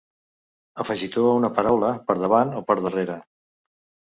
Afegitó a una paraula, per davant o per darrere.